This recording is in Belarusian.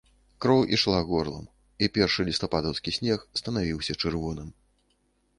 Кроў ішла горлам і першы лістападаўскі снег станавіўся чырвоным.